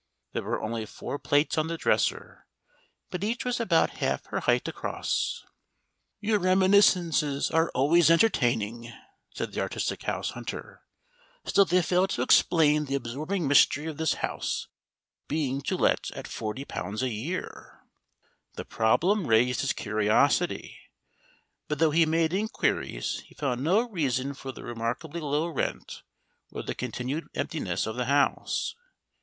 There were only four plates on the dresser, but each was about half her height across " "Your reminiscences are always entertaining," said the artistic house hunter; "still they fail to explain the absorbing mystery of this house being to let at £40 a year." The problem raised his curiosity, but though he made inquiries he found no reason for the remarkably low rent or the continued emptiness of the house.